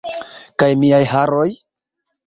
Kaj miaj haroj?